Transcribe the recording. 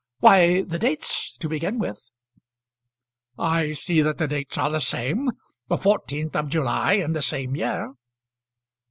"Why; the dates, to begin with." "I see that the dates are the same; the 14th of July in the same year."